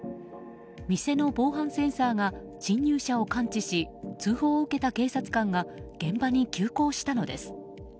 店の防犯センサーが侵入者を感知し通報を受けた警察官が現場に急行したのです。